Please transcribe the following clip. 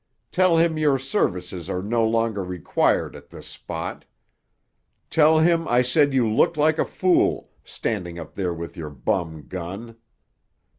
Tell him your services are no longer required at this spot. Tell him I said you looked like a fool, standing up there with your bum gun.